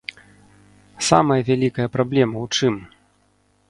Самая вялікая праблема ў чым?